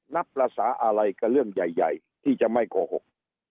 นับภาษาอะไรกับเรื่องใหญ่ที่จะไม่โกหก